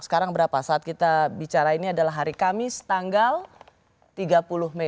sekarang berapa saat kita bicara ini adalah hari kamis tanggal tiga puluh mei